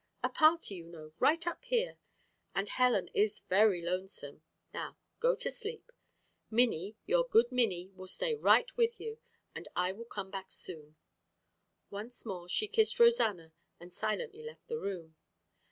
A party, you know, right up here. And Helen is very lonesome. Now go to sleep. Minnie, your good Minnie, will stay right with you, and I will come back soon." Once more she kissed Rosanna and silently left the room.